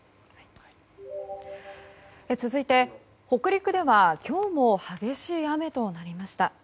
続いて、北陸では今日も激しい雨となりました。